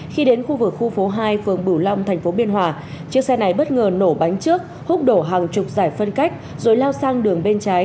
khi đến khu vực khu phố hai phường bửu long thành phố biên hòa chiếc xe này bất ngờ nổ bánh trước húc đổ hàng chục giải phân cách rồi lao sang đường bên trái